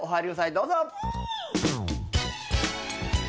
どうぞ。